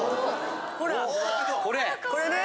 ほらこれね。